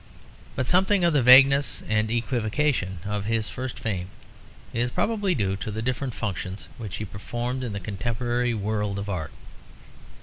But something of the vagueness and equivocation of his first fame is probably due to the different functions which he performed in the contemporary world of art.